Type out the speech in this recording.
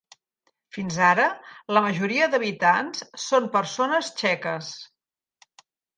Fins ara, la majoria d"habitants són persones txeques.